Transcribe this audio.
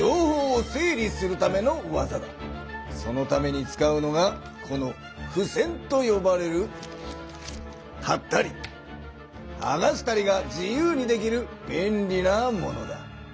そのために使うのがこのふせんとよばれるはったりはがしたりが自由にできるべんりなものだ。